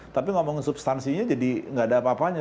tapi ngomong substansinya jadi nggak ada apa apanya